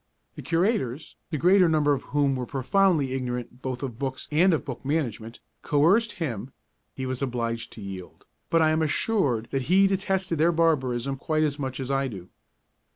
The Curators, the greater number of whom were profoundly ignorant both of books and of book management, coerced him; he was obliged to yield, but I am assured that he detested their barbarism quite as much as I do.